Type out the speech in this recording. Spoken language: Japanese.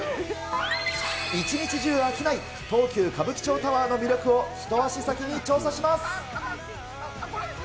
一日中飽きない東急歌舞伎町タワーの魅力を一足先に調査します。